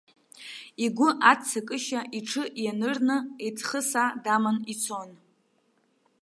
Игәы аццакышьа иҽы ианырны иҵхысаа даман ицон.